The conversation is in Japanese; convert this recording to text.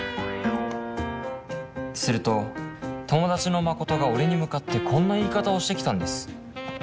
すると友達のマコトが俺に向かってこんな言い方をしてきたんです。